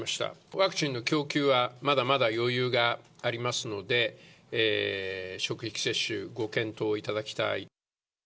ワクチンの供給はまだまだ余裕がありますので、職域接種、ご検討いただきたい。